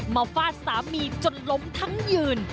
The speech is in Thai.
ฟาดสามีจนล้มทั้งยืน